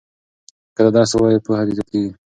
که ته درس ووایې پوهه دې زیاتیږي.